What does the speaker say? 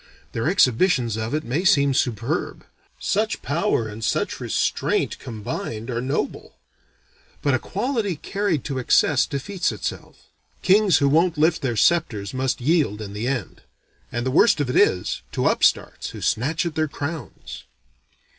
Their exhibitions of it may seem superb, such power and such restraint, combined, are noble, but a quality carried to excess defeats itself. Kings who won't lift their scepters must yield in the end; and, the worst of it is, to upstarts who snatch at their crowns.